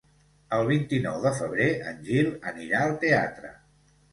El vint-i-nou de febrer en Gil anirà al teatre.